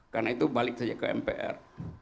karena itu balik saja ke mpr